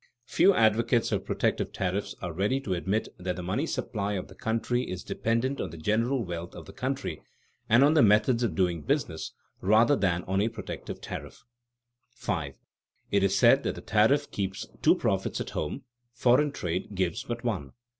Few advocates of protective tariffs are ready to admit that the money supply of the country is dependent on the general wealth of the country, and on the methods of doing business, rather than on a protective tariff. [Sidenote: The "two profits" argument] 5. _It is said that the tariff keeps "two profits" at home, foreign trade gives but one.